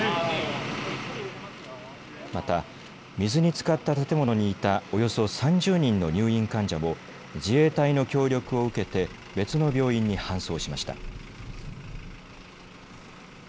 また、水につかった建物にいたおよそ３０人の入院患者も自衛隊の協力を受けて別の病院に搬送しました。